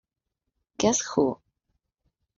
Guess Who?